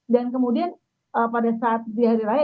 dan kemudian pada saat di hari raya